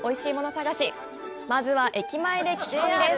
探しまずは駅前で聞き込みです！